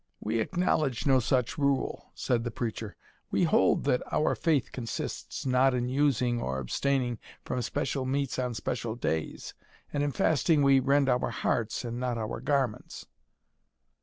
"We acknowledge no such rule," said the preacher "We hold that our faith consists not in using or abstaining from special meats on special days; and in fasting we rend our hearts, and not our garments."